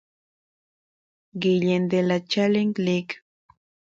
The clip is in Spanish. Gallen de la Challenge League.